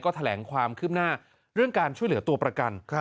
แถลงความคืบหน้าเรื่องการช่วยเหลือตัวประกัน